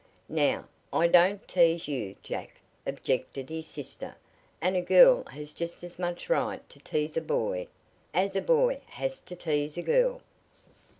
"Now, I don't tease you, Jack," objected his, sister, "and a girl has just as much right to tease a boy as a boy has to tease a girl."